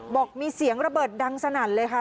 บอกมีเสียงระเบิดดังสนั่นเลยค่ะ